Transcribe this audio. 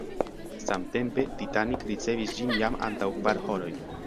Samtempe "Titanic" ricevis ĝin jam antaŭ kvar horoj.